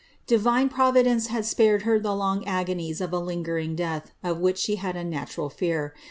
Divine Providence had spared her the long agonies of a lin idi, of which she had a natural fear.